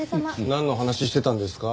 なんの話してたんですか？